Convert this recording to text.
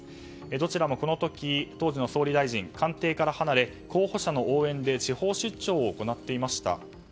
どちらも、この時当時の総理大臣は官邸から離れ、候補者の応援で地方出張を行っていました。